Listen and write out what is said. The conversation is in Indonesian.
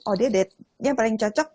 oh dia yang paling cocok